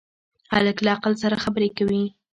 هلک له عقل سره خبرې کوي.